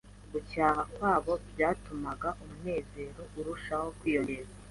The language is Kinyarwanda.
ariko guhamagara iwabo no gucyaha kwabo byatumaga umunezero urushaho kwiyongera